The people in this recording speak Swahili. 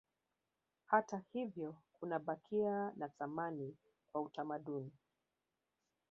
Hata hivyo kunabakia na thamani kwa utamaduni